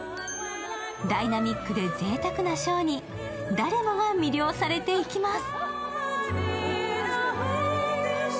ダイナミックでぜいたくなショーに誰もが魅了されていきます。